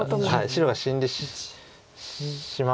白が死んでしまう可能性